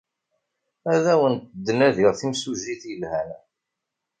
Ad awent-d-nadiɣ timsujjit yelhan.